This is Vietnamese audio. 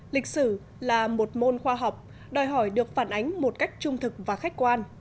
lịch sử là một môn khoa học đòi hỏi được phản ánh một cách trung thực và khách quan